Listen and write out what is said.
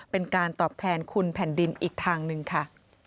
เป็นการตอบแทนคุณแผ่นดินอีกทางหนึ่งค่ะ